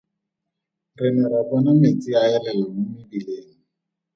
Re ne ra bona metsi a elela mo mebileng.